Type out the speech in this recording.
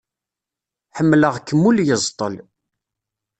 Ḥemmleɣ-kem ul yeẓṭel.